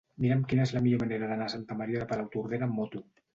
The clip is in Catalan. Mira'm quina és la millor manera d'anar a Santa Maria de Palautordera amb moto.